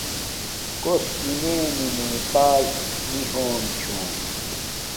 کوس مینے نی موتاج نی ہوم چھوم